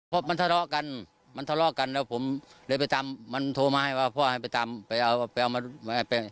เพราะมันทะเลาะกันมันทะเลาะกันแล้วผมเลยไปตามมันโทรมาให้ว่าพ่อให้ไปตามไปเอาไปเอามาให้ไป